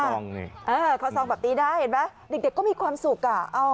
มีข้อซองนี่เห็นไหมเด็กก็มีความสุข